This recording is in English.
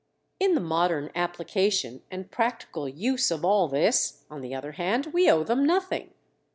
_] In the modern application and practical use of all this, on the other hand, we owe them nothing.